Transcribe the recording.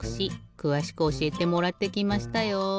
くわしくおしえてもらってきましたよ。